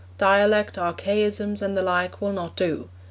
Dialect, archaisms and the like, will not do.